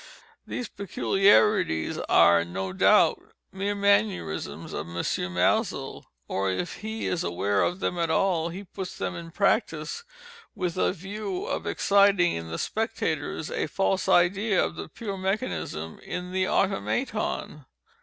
These peculiarities are, no doubt, mere mannerisms of M. Maelzel, or, if he is aware of them at all, he puts them in practice with a view of exciting in the spectators a false idea of the pure mechanism in the Automaton.